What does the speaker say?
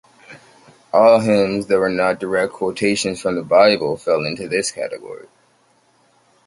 All hymns that were not direct quotations from the bible fell into this category.